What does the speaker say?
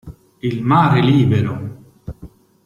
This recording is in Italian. Il mare libero!